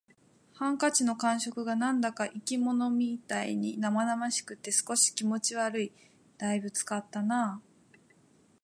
ハンカチの感触が何だか生き物みたいに生々しくて、少し気持ち悪い。「大分使ったな」